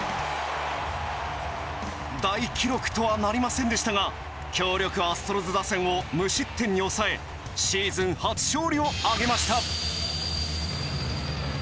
大記録とはなりませんでしたが強力アストロズ打線を無失点に抑えシーズン初勝利を挙げました。